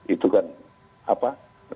itu kan apa